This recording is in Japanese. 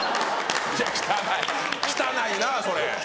汚い汚いなそれ。